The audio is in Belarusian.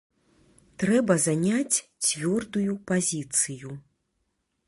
Трэба заняць цвёрдую пазіцыю.